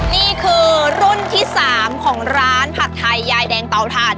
นี่คือรุ่นที่๓ของร้านผัดไทยยายแดงเตาถ่าน